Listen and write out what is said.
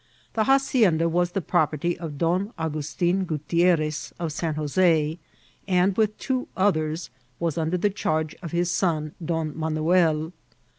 The hacienda was the property of Don Augustin Gutierres of San Jos6, and, with two others, was under the charge of his son !D<m Manuel.